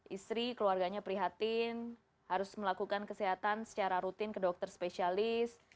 istri keluarganya prihatin harus melakukan kesehatan secara rutin ke dokter spesialis